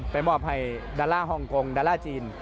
ไปหมอบให้ดาร์ล่าฮ่องกงดาร์ล่าจีน